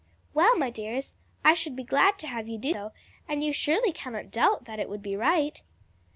"Well, my dears, I should be glad to have you do so; and you surely cannot doubt that it would be right?"